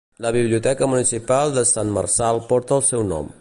La biblioteca municipal de Sant Marçal porta el seu nom.